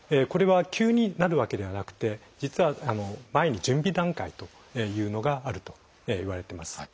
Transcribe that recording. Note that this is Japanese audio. これは急になるわけではなくて実は前に準備段階というのがあるといわれています。